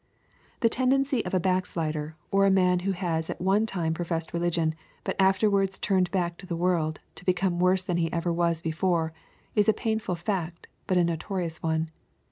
*' The tendency of a backslider, or a man who has at one time pro fessed religion, but afterwards turned back to the world, to become worse than he ever was before, is a painful fact, but a notorious one.